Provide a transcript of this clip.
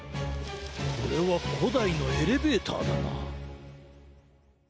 これはこだいのエレベーターだな。